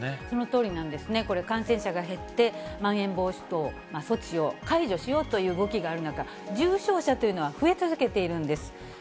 そのとおりなんですね、これ、感染者が減って、まん延防止等措置を解除しようという動きがある中、重症者というのは増え続けているんです。